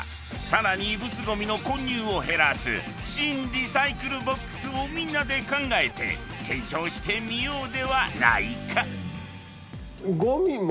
更に異物ゴミの混入を減らすシン・リサイクルボックスをみんなで考えて検証してみようではないか！